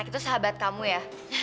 kita ke puncak ya